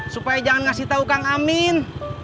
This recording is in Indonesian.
supaya jangan ngasih tau kak amin